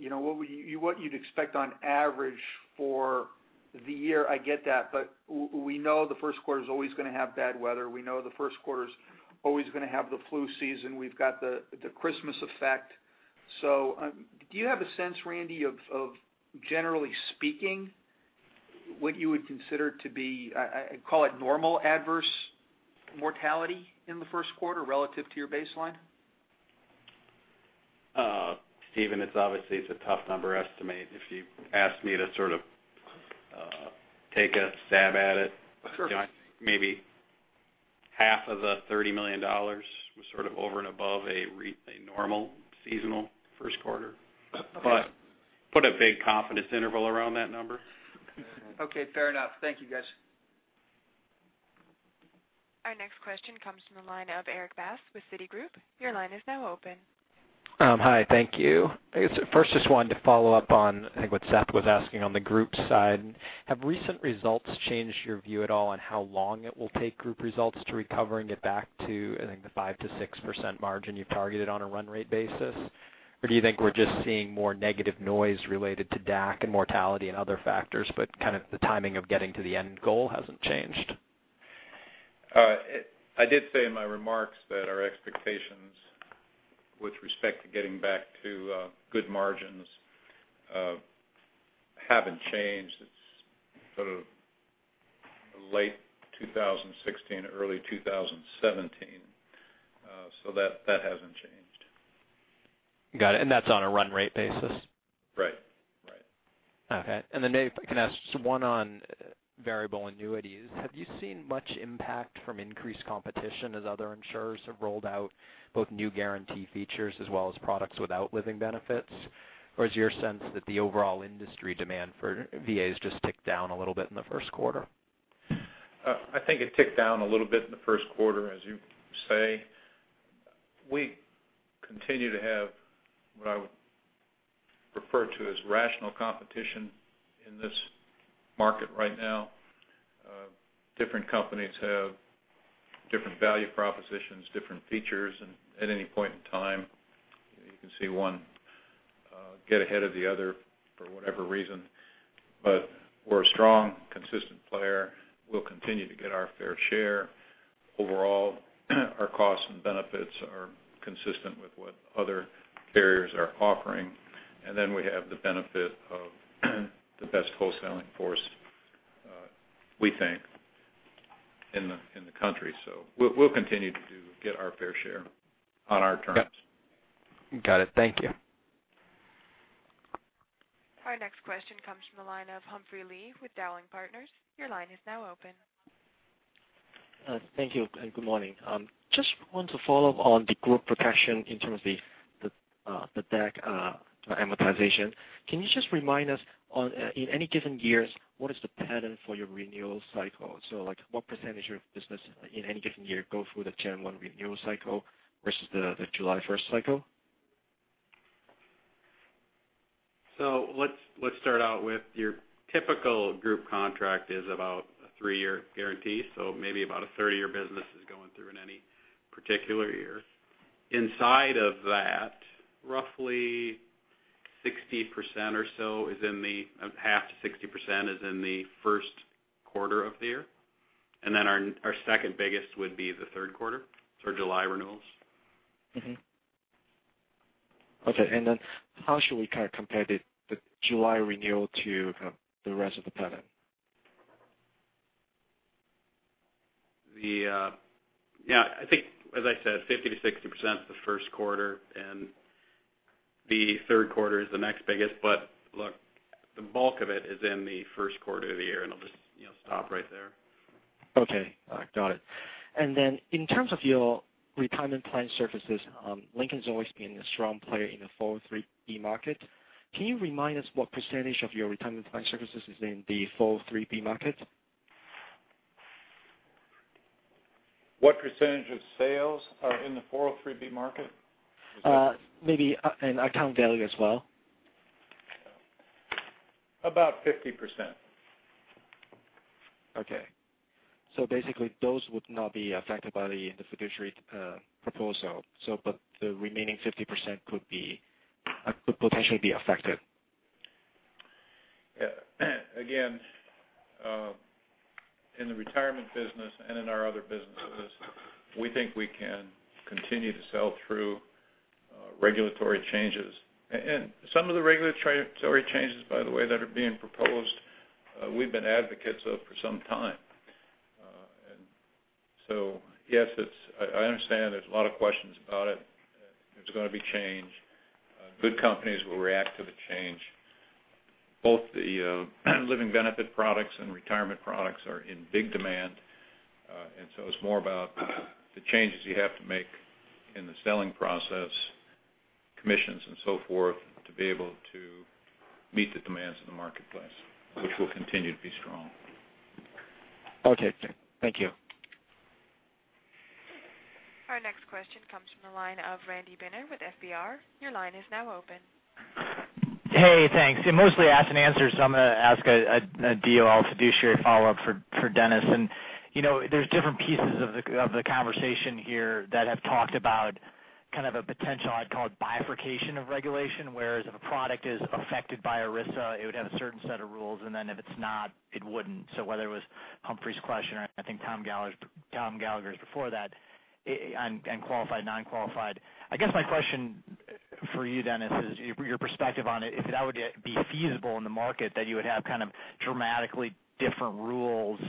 what you'd expect on average for the year. I get that. We know the first quarter is always going to have bad weather. We know the first quarter is always going to have the flu season. We've got the Christmas effect. Do you have a sense, Randy, of generally speaking, what you would consider to be, call it normal adverse mortality in the first quarter relative to your baseline? Steven, obviously it's a tough number estimate. If you asked me to sort of take a stab at it. Sure Maybe half of the $30 million was sort of over and above a normal seasonal first quarter. Okay. Put a big confidence interval around that number. Okay, fair enough. Thank you, guys. Our next question comes from the line of Erik Bass with Citigroup. Your line is now open Hi, thank you. I guess first, just wanted to follow up on, I think what Seth was asking on the group side. Have recent results changed your view at all on how long it will take group results to recover and get back to, I think, the 5%-6% margin you've targeted on a run rate basis? Or do you think we're just seeing more negative noise related to DAC and mortality and other factors, but kind of the timing of getting to the end goal hasn't changed? I did say in my remarks that our expectations with respect to getting back to good margins haven't changed. It's sort of late 2016, early 2017. That hasn't changed. Got it. That's on a run rate basis? Right. Okay. Dennis, if I can ask just one on variable annuities. Have you seen much impact from increased competition as other insurers have rolled out both new guarantee features as well as products without living benefits? Is your sense that the overall industry demand for VAs just ticked down a little bit in the first quarter? I think it ticked down a little bit in the first quarter, as you say. We continue to have what I would refer to as rational competition in this market right now. Different companies have different value propositions, different features, and at any point in time, you can see one get ahead of the other for whatever reason. We're a strong, consistent player. We'll continue to get our fair share. Overall, our costs and benefits are consistent with what other carriers are offering, and then we have the benefit of the best wholesaling force, we think, in the country. We'll continue to get our fair share on our terms. Got it. Thank you. Our next question comes from the line of Humphrey Lee with Dowling & Partners. Your line is now open. Thank you. Good morning. Just want to follow up on the group protection in terms of the DAC amortization. Can you just remind us on, in any given years, what is the pattern for your renewal cycle? What percentage of business in any given year go through the January 1 renewal cycle versus the July 1 cycle? Let's start out with your typical group contract is about a three-year guarantee. Maybe about a third of your business is going through in any particular year. Inside of that, roughly 60% or so is in the, half to 60%, is in the first quarter of the year. Our second biggest would be the third quarter. Our July renewals. Okay. Then how should we kind of compare the July renewal to the rest of the pattern? I think, as I said, 50%-60% is the first quarter, the third quarter is the next biggest. Look, the bulk of it is in the first quarter of the year, I'll just stop right there. Okay. Got it. Then in terms of your retirement plan services, Lincoln's always been a strong player in the 403 market. Can you remind us what % of your retirement plan services is in the 403 market? What % of sales are in the 403 market? Maybe an account value as well. About 50%. Okay. Basically, those would not be affected by the fiduciary proposal. The remaining 50% could potentially be affected. Again, in the retirement business and in our other businesses, we think we can continue to sell through regulatory changes. Some of the regulatory changes, by the way, that are being proposed, we've been advocates of for some time. Yes, I understand there's a lot of questions about it. There's going to be change. Good companies will react to the change. Both the living benefit products and retirement products are in big demand. It's more about the changes you have to make in the selling process, commissions and so forth, to be able to meet the demands of the marketplace, which will continue to be strong. Okay, thank you. Our next question comes from the line of Randy Binner with FBR. Your line is now open. Hey, thanks. Mostly asked and answered, so I'm going to ask a DOL fiduciary follow-up for Dennis. There's different pieces of the conversation here that have talked about kind of a potential, I'd call it bifurcation of regulation, whereas if a product is affected by ERISA, it would have a certain set of rules, and then if it's not, it wouldn't. So whether it was Humphrey Lee's question or I think Thomas Gallagher's before that, on qualified, non-qualified. I guess my question for you, Dennis, is your perspective on it, if that would be feasible in the market that you would have kind of dramatically different rules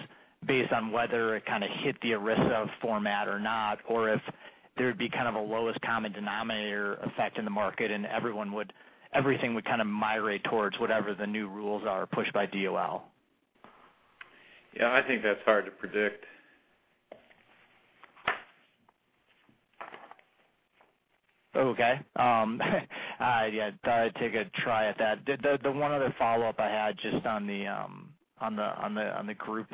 based on whether it kind of hit the ERISA format or not, or if there'd be kind of a lowest common denominator effect in the market and everything would kind of migrate towards whatever the new rules are pushed by DOL. Yeah, I think that's hard to predict. Okay. Thought I'd take a try at that. The one other follow-up I had just on the group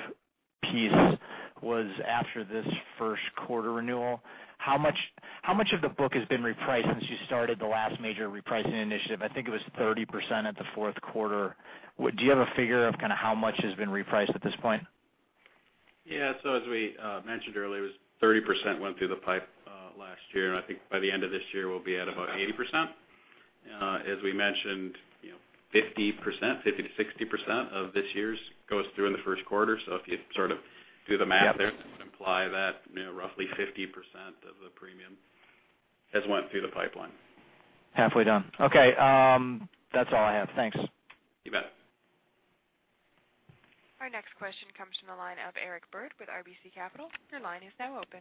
piece was after this first quarter renewal. How much of the book has been repriced since you started the last major repricing initiative? I think it was 30% at the fourth quarter. Do you have a figure of how much has been repriced at this point? Yeah. As we mentioned earlier, it was 30% went through the pipe last year, and I think by the end of this year, we'll be at about 80%. As we mentioned, 50%-60% of this year's goes through in the first quarter. If you do the math there. Yep it would imply that roughly 50% of the premium has went through the pipeline. Halfway done. Okay. That's all I have. Thanks. You bet. Our next question comes from the line of Eric Berg with RBC Capital. Your line is now open.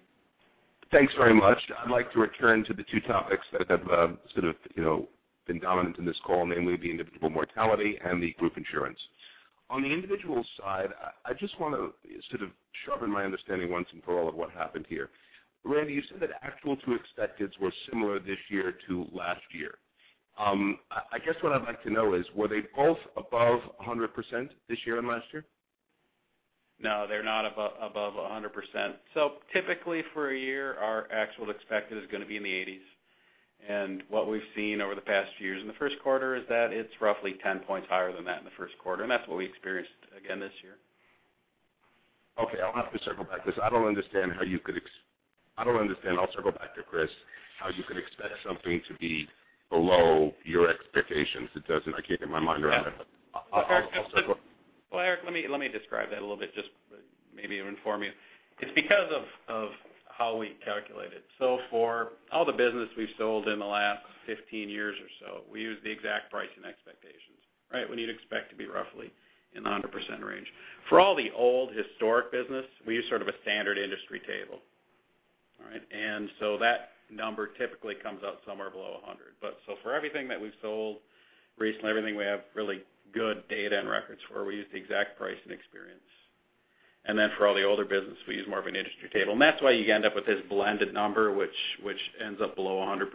Thanks very much. I'd like to return to the two topics that have sort of been dominant in this call, namely the individual mortality and the group insurance. On the individual side, I just want to sort of sharpen my understanding once and for all of what happened here. Randy, you said that actual to expecteds were similar this year to last year. I guess what I'd like to know is, were they both above 100% this year and last year? No, they're not above 100%. Typically for a year, our actual to expected is going to be in the 80s. What we've seen over the past few years in the first quarter is that it's roughly 10 points higher than that in the first quarter, and that's what we experienced again this year. Okay. I'll have to circle back because I don't understand how you could, I'll circle back to Chris, how you could expect something to be below your expectations. I can't get my mind around it. Well, Eric, let me describe that a little bit, just to maybe inform you. It's because of how we calculate it. For all the business we've sold in the last 15 years or so, we use the exact pricing expectations. We need to expect to be roughly in the 100% range. For all the old historic business, we use sort of a standard industry table. All right? That number typically comes out somewhere below 100%. For everything that we've sold recently, everything we have really good data and records for, we use the exact pricing experience. Then for all the older business, we use more of an industry table. That's why you end up with this blended number, which ends up below 100%.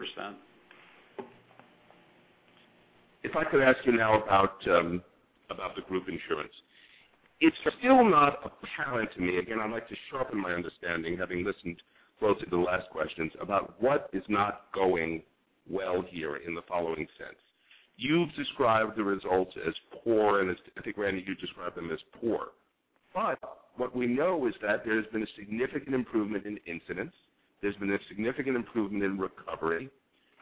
If I could ask you now about the group insurance. It's still not apparent to me, again, I'd like to sharpen my understanding, having listened closely to the last questions about what is not going well here in the following sense. You've described the results as poor, and I think, Randy, you described them as poor. What we know is that there's been a significant improvement in incidents. There's been a significant improvement in recovery.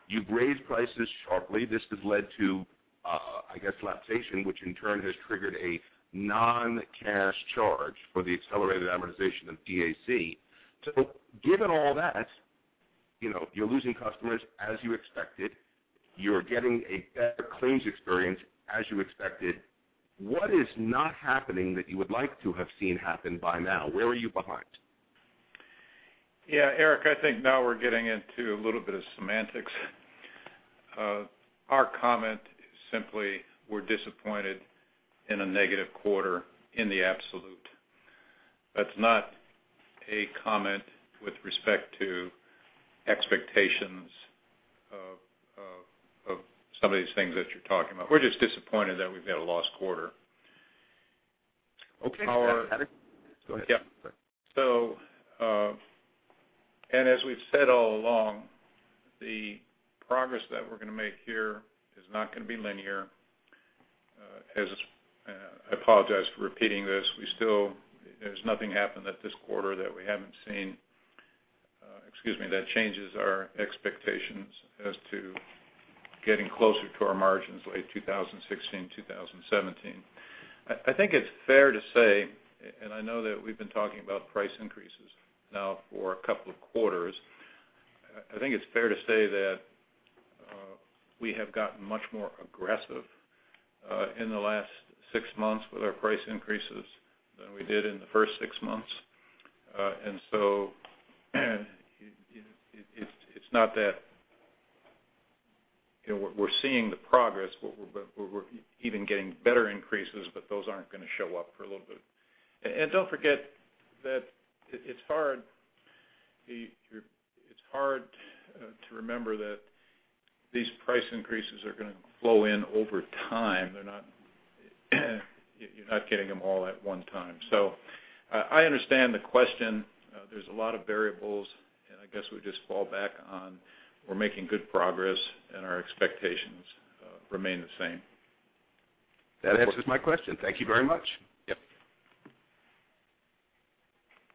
You've raised prices sharply. This has led to, I guess, lapsation, which in turn has triggered a non-cash charge for the accelerated amortization of DAC. Given all that, you're losing customers as you expected. You're getting a better claims experience as you expected. What is not happening that you would like to have seen happen by now? Where are you behind? Yeah, Eric, I think now we're getting into a little bit of semantics. Our comment is simply we're disappointed in a negative quarter in the absolute. That's not a comment with respect to expectations of some of these things that you're talking about. We're just disappointed that we've had a lost quarter. Okay. Go ahead. Yep. As we've said all along, the progress that we're going to make here is not going to be linear. I apologize for repeating this. There's nothing happened at this quarter that we haven't seen, excuse me, that changes our expectations as to getting closer to our margins late 2016, 2017. I think it's fair to say, I know that we've been talking about price increases now for a couple of quarters. I think it's fair to say that we have gotten much more aggressive in the last six months with our price increases than we did in the first six months. It's not that we're seeing the progress, but we're even getting better increases, but those aren't going to show up for a little bit. Don't forget that it's hard to remember that these price increases are going to flow in over time. You're not getting them all at one time. I understand the question. There's a lot of variables, and I guess we just fall back on we're making good progress and our expectations remain the same. That answers my question. Thank you very much. Yep.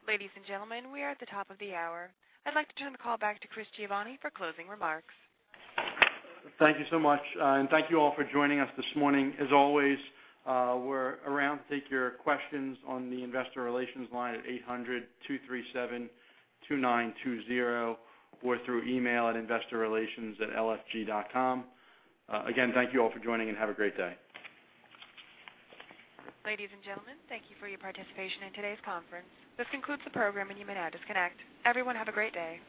Ladies and gentlemen, we are at the top of the hour. I'd like to turn the call back to Chris Giovanni for closing remarks. Thank you so much. Thank you all for joining us this morning. As always, we're around to take your questions on the investor relations line at 800-237-2920 or through email at investorrelations@lfg.com. Again, thank you all for joining. Have a great day. Ladies and gentlemen, thank you for your participation in today's conference. This concludes the program. You may now disconnect. Everyone, have a great day.